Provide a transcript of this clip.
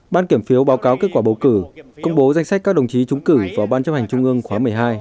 ban kiểm phiếu báo cáo kết quả bầu cử công bố danh sách các đồng chí trúng cử vào ban chấp hành trung ương khóa một mươi hai